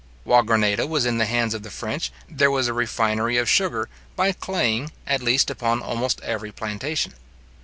While Grenada was in the hands of the French, there was a refinery of sugar, by claying, at least upon almost every plantation.